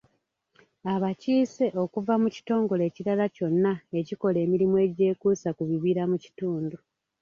Abakiise okuva mu kitongole ekirala kyonna ekikola emirimu egyekuusa ku bibira mu kitundu.